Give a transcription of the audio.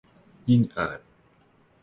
ยิ่งอ่าน